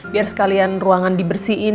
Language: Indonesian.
biar sekalian ruangan dibersihin